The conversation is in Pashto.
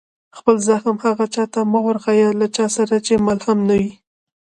خپل زخم هغه چا ته مه ورښيه، له چا سره چي ملهم نه يي.